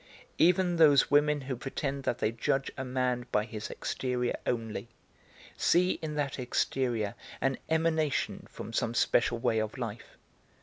Even those women who pretend that they judge a man by his exterior only, see in that exterior an emanation from some special way of life.